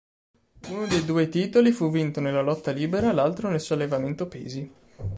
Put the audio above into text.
Uno dei due titoli fu vinto nella lotta libera, l'altro nel sollevamento pesi.